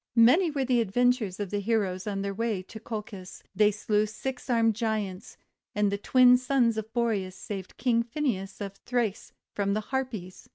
Many were the adventures of the heroes on their way to Colchis. They slew six armed Giants, and the Twin Sons of Boreas saved King Phineas of Thrace from the Harpies.